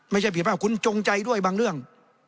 ไม่ใช่ผิดว่าคุณจงใจด้วยบางเรื่อง